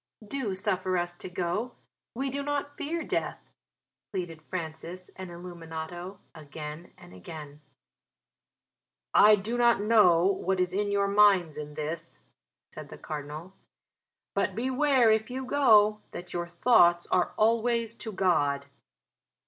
"Do suffer us to go, we do not fear death," pleaded Francis and Illuminato, again and again. "I do not know what is in your minds in this," said the Cardinal, "but beware if you go that your thoughts are always to God."